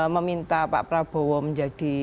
meminta pak prabowo menjadi